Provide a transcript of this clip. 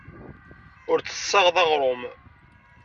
Ur d-tessaɣeḍ aɣrum.